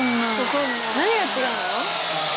何が違うの？